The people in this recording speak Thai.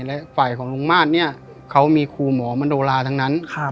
และฝ่ายของลุงมาสเนี่ยเขามีครูหมอมโนราทั้งนั้น